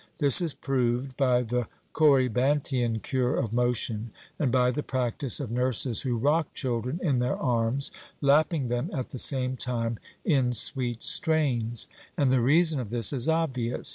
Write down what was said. This is proved by the Corybantian cure of motion, and by the practice of nurses who rock children in their arms, lapping them at the same time in sweet strains. And the reason of this is obvious.